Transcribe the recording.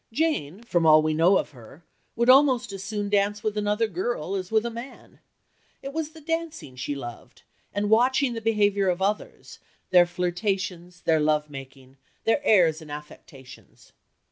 Jane, from all we know of her, would almost as soon dance with another girl as with a man it was the dancing she loved, and watching the behaviour of others, their flirtations, their love making, their airs and affectations.